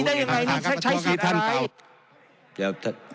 นี่ใช้สิทธิ์อะไร